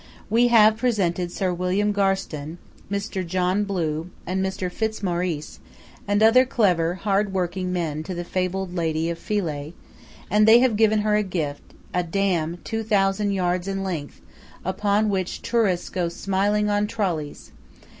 We have presented Sir William Garstin, and Mr. John Blue, and Mr. Fitz Maurice, and other clever, hard working men to the fabled Lady of Philae, and they have given her a gift: a dam two thousand yards in length, upon which tourists go smiling on trolleys.